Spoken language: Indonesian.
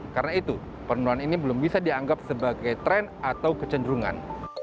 karena itu penurunan ini belum bisa dianggap sebagai tren atau kecenderungan